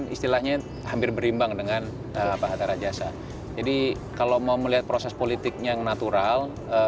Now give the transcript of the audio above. istilahnya hampir berimbang dengan pak hatta rajasa jadi kalau mau melihat proses politik yang natural